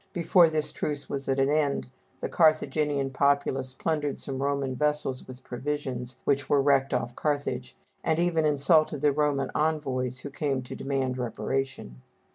Before this truce was at an end, the Carthaginian populace plundered some Roman vessels with provisions, which were wrecked off Carthage, and even insulted the Roman envoys who came to demand reparation.